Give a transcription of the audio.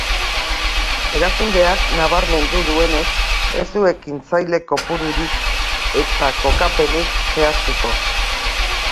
Erakundeak nabarmendu duenez, ez du ekintzaile kopururik ezta kokapenik zehaztuko.